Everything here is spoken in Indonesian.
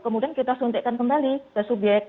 kemudian kita suntikkan kembali ke subyek